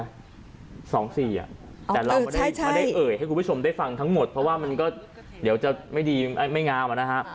แต่เราไม่ได้เอ่ยให้คุณผู้ชมได้ฟังทั้งหมดเพราะว่ามันก็เดี๋ยวจะไม่ดีไม่งามนะฮะ